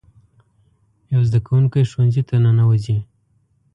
یو زده کوونکی ښوونځي ته ننوځي.